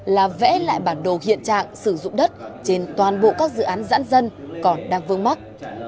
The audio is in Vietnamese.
là vẽ lại bản đồ hiện trạng sử dụng đất trên toàn bộ các dự án giãn dân còn đang vương mắc